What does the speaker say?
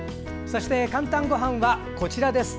そして「かんたんごはん」はこちらです。